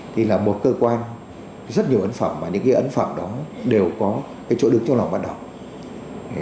thì là một cơ quan rất nhiều ấn phẩm mà những cái ấn phẩm đó đều có cái chỗ đứng trong lòng bắt đầu